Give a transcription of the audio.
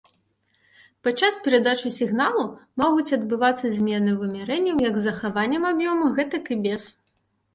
Падчас перадачы сігналу могуць адбывацца змены вымярэнняў як з захаваннем аб'ёму, гэтак і без.